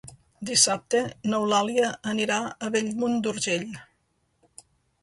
Dissabte n'Eulàlia anirà a Bellmunt d'Urgell.